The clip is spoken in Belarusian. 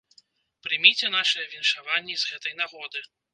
Прыміце нашыя віншаванні з гэтай нагоды!